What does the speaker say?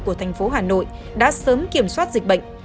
của thành phố hà nội đã sớm kiểm soát dịch bệnh